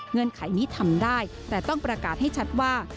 เงื่อนไขนี้ทำได้แต่ต้องประกาศให้ชัดว่า